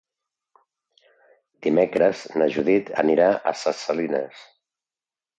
Dimecres na Judit anirà a Ses Salines.